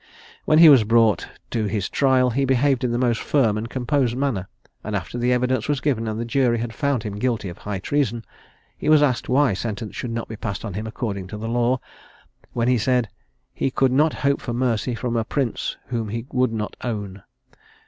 When he was brought to his trial, he behaved in the most firm and composed manner; and, after the evidence was given, and the jury had found him guilty of high treason, he was asked why sentence should not be passed on him according to law, when he said "He could not hope for mercy from a prince whom he would not own."